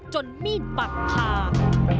จนมีดปักภาพ